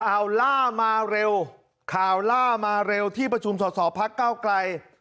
เอาล่ามาเร็วข่าวล่ามาเร็วที่ประชุมสอสอพักเก้าไกล